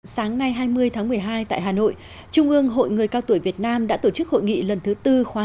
sáng nay hai mươi tháng một mươi hai tại hà nội trung ương hội người cao tuổi việt nam đã tổ chức hội nghị lần thứ tư khoa năm